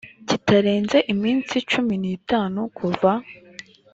kitarenze iminsi cumi n itanu kuva